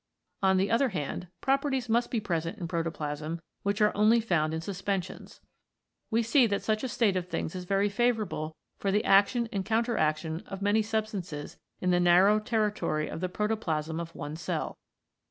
On the other hand, properties must be present in protoplasm which are only found in suspensions. We see that such a state of things is very favourable for the action and counteraction of many sub stances in the narrow territory of the protoplasm of one cell.